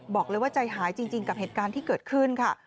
บอกเลยว่าใจหายจริงกับเหตุการณ์ที่เกิดขึ้นค่ะ